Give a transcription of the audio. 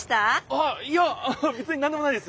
あっいやべつになんでもないです。